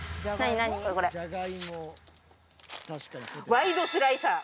ワイドスライサー。